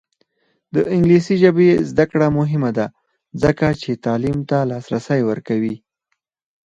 د انګلیسي ژبې زده کړه مهمه ده ځکه چې تعلیم ته لاسرسی ورکوي.